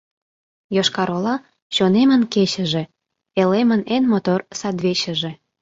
Йошкар-Ола — чонемын кечыже, элемын эн мотор садвечыже!